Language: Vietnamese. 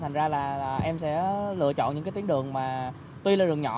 thành ra là em sẽ lựa chọn những cái tuyến đường mà tuy là đường nhỏ